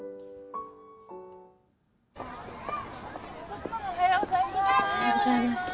爽君ママおはようございます。